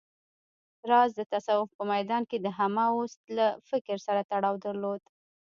راز د تصوف په ميدان کې د همه اوست له فکر سره تړاو درلود